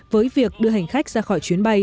với việc đưa hành khách ra khỏi chuyến bay